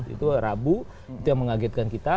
itu rabu itu yang mengagetkan kita